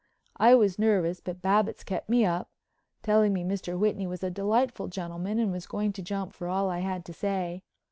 I was nervous but Babbitts kept me up, telling me Mr. Whitney was a delightful gentleman and was going to jump for all I had to say.